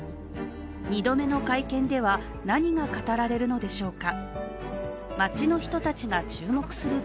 ２度目の会見では何が語られるのでしょうか。